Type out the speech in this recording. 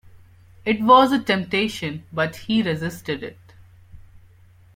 It was a temptation, but he resisted it.